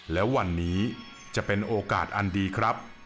และวันนี้จะเป็นโอกาสอันดีครับ